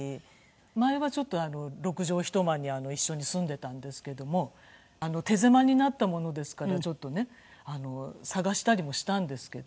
前はちょっと６畳一間に一緒に住んでいたんですけども手狭になったものですからちょっとね探したりもしたんですけど。